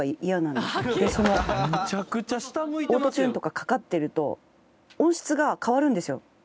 オートチューンとかかかってると音質が変わるんですよ。